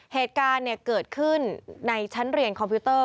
เหตุการณ์เกิดขึ้นในชั้นเรียนคอมพิวเตอร์